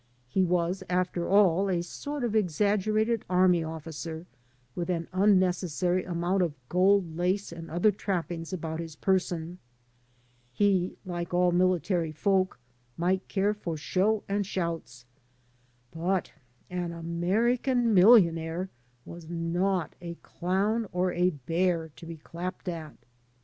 He was, after all, a sort of exaggerated army officer with an im necessary amount of gold lace and other trappings about his person. He, like all military folk, might care for show and shouts. But an American millionaire was not a clown or a bear to be clapped at.